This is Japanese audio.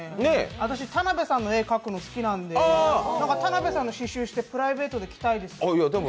私、田辺さんの絵を描くの好きなんで、田辺さんの刺しゅうしてプライベートで着たいです。